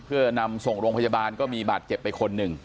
เพื่อนำส่งโรงพยาบาลก็มีบาดเจ็บไปคนหนึ่ง